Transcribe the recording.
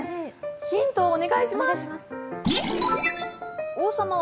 ヒントをお願いします。